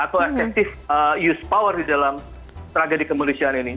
atau asektif use power di dalam tragedi kemunisian ini